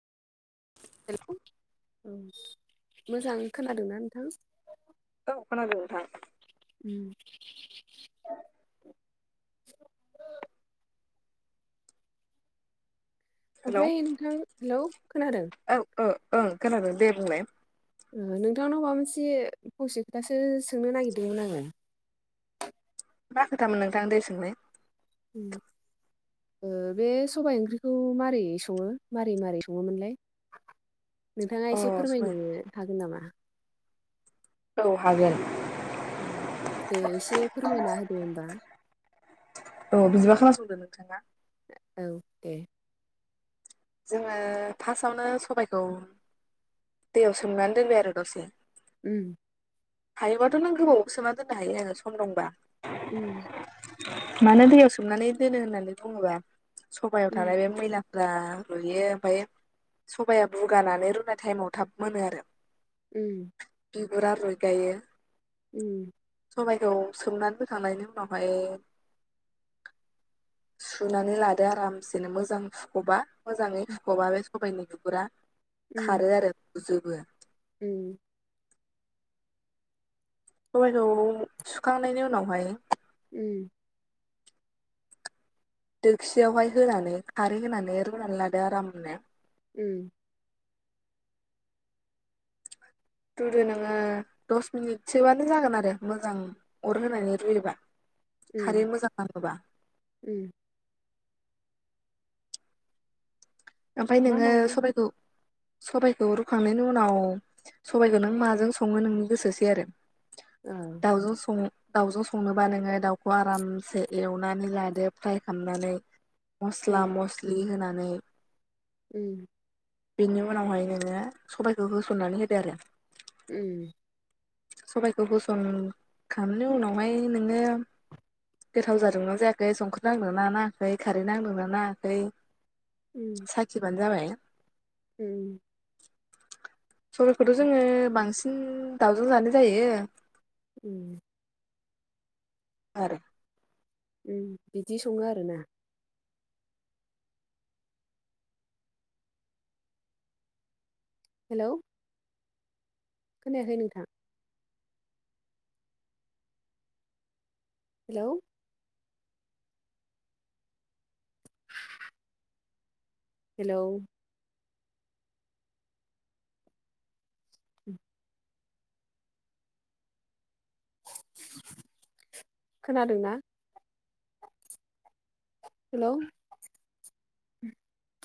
हेल' औ मोजां खोनादोंना नोंथां? औ खोनादो नोंथां [inaudible] [inaudible] हेलौ ओमफ्राय नोंथां हेलौ खोनादों? औ ओ ओं खोनादों दे बुंलाय ओ नोंथांनाव माबा मोनसे फंसे खोथासो सोंनो नागिरदोंमोन आङो मा खोथामोन नोंथां दे सोंनाय ओ [unintelligible] ओ बे सबाय ओंख्रिखौ माबारै सङो मारै मारै सङोमोनलाय नोंथाङा अ एसे सबाय फोरमायनो हागोन नामा औ हागोन दे एसे फोरमायना होदो ओमबा औ बिदिबा खोनासंदो नोंथाङा औ दे जोङो फार्स्टावनो सबायखौ दैयाव सोमनानै दोनबाय आरो दसे उम हायोबाथ' नों गोबाव सोमना दोननो हायो आङो सम दंबा उम मानो दैयाव सोमनानै दोनो होननानै बुङोबा सबायाव उम थानाय बे मैलाफ्रा गुयो ओमफाय सबाया बुगानानै रुनाय टाइमाव थाब मोनो आरो उम बिगुरा रुय गायो उम [unintelligible] सबायखौ सोमनानै फोखांनायनि उनावहाय सुनानै लादो आरामसेनो मोजां हुख'बा मोजाङै हुख'बा बे सबायाइनि बिगुरा उम खारो आरोजोबो उम सबायखौ सुखांनायनि उनावहाय उम दोखसियावहाय होनानै खारै होनानै रुनानै लादो आरामनो उम रुदो नोङो दस मिनिटसोबानो जागोन आरो मोजां अर होनानै रुयोबा खारै उम मोजां नाङोबा उम ओमफाय मा नोङो माजों सबबायखौ सबाइखौ रुखांनायनि उनाव सबाइखौ नों माजों सङो नोंनि गोसोसै आरो औ दावजो सङो दाउजों संनोबा नोङो दाउखौ आरामसे एवनानै लादो फ्राय खालामनानै मस्ला उम मस्लि होनानै उम बेनि उनावहाय नोङो सबायखौ होसननानै होदो आरो उम सबायखौ होसनखांनायनि उनावहाय नोङो गोथाव जादोंना जायाखै संख्रि नांदोंना नाङाखै खारै नांदोंना नाङाखै उम साखिबानो जाबाय उम सबायखौथ' जोङो बांसिन दाउजों जानाय जायो उम आरो बिदि सङो आरोना हेलौ खोनायाखै नोंथां हेलौ हेलौ खोनादोंना हेलौ